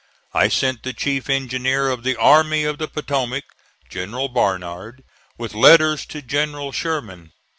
I sent the chief engineer of the Army of the Potomac (General Barnard) with letters to General Sherman.